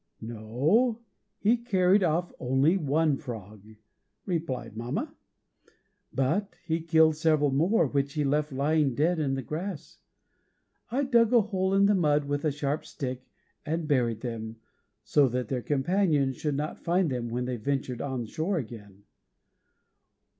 "No, he carried off only one frog," replied mamma; "but he killed several more, which he left lying dead in the grass. I dug a hole in the mud with a sharp stick and buried them, so that their companions should not find them when they ventured on shore again."